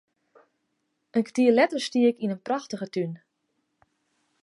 In kertier letter stie ik yn in prachtige tún.